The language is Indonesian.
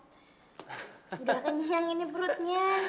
udah kenyang ini perutnya